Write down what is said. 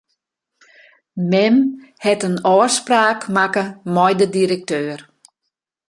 Mem hat in ôfspraak makke mei de direkteur.